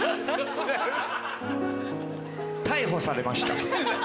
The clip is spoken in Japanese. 逮捕されました。